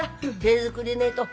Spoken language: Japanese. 手作りでねえと。